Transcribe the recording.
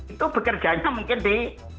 itu bekerjanya mungkin di